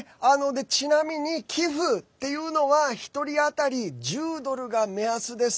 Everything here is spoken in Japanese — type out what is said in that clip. ちなみに寄付っていうのは１人当たり１０ドルが目安です。